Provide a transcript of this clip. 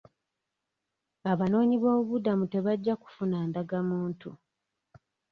Abanoonyiboobubuddamu tebajja kufuna ndagamuntu.